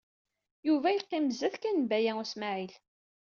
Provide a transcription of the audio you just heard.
Yuba yeqqim zdat kan n Baya U Smaɛil.